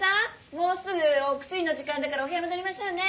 もうすぐお薬の時間だからお部屋戻りましょうね。